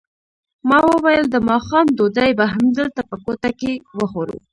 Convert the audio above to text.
ما وویل د ماښام ډوډۍ به همدلته په کوټه کې وخورو.